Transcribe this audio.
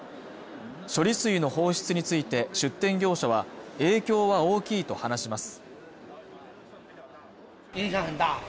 処理水の放出について出展業者は影響は大きいと話します